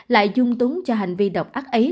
lại dung túng cho hành vi độc ác ấy